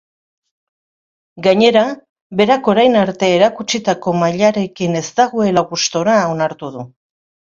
Gainera, berak orain arte erakutsitako mailarekin ez dagoela gustura onartu du.